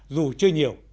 dù chưa nhiều